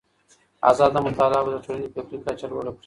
ازاده مطالعه به د ټولني فکري کچه لوړه کړي.